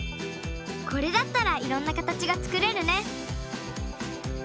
これだったらいろんな形が作れるね。